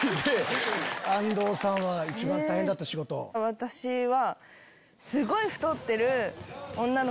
私は。